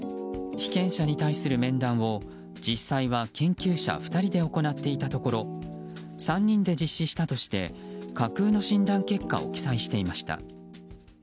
被験者に対する面談を実際は研究者２人で行っていたところ３人で実施したとして架空の診断結果を記載していました。